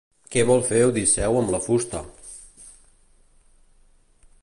Què vol fer Odisseu amb la fusta?